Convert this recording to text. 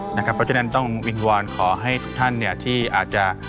เพราะฉะนั้นต้องวิงวอนขอให้ทุกท่านที่อาจจะ